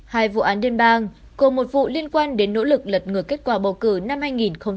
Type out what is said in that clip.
hai vụ án đêm bang cùng một vụ liên quan đến nỗ lực lật ngược kết quả bầu cử năm hai nghìn hai mươi